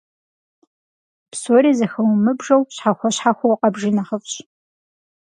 Псори зэхыумыбжэу, щхьэхуэ-щхьэхуэу къэбжи нэхъыфӏщ.